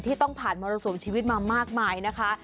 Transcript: ต้องผ่านมรสุมชีวิตมามากมายนะคะ